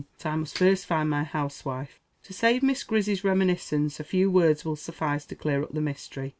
But I must first find my huswife." To save Miss Grizzy's reminiscence, a few words will suffice to clear up the mystery.